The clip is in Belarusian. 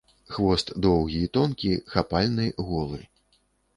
Хвост доўгі і тонкі, хапальны, голы.